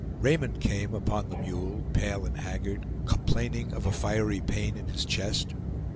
Raymond came upon the mule, pale and haggard, complaining of a fiery pain in his chest.